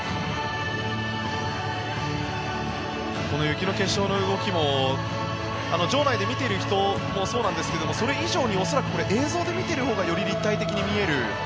この雪の結晶の動きも場内で見ている人もそうなんですけどそれ以上に恐らく、映像で見ているほうがより立体的に見える。